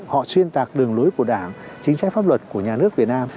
họ xuyên tạc đường lối của đảng chính sách pháp luật của nhà nước việt nam